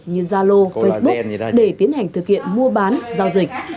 như zalo facebook để tiến hành thực hiện mua bán giao dịch